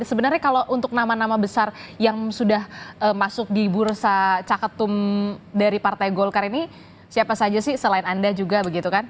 sebenarnya kalau untuk nama nama besar yang sudah masuk di bursa caketum dari partai golkar ini siapa saja sih selain anda juga begitu kan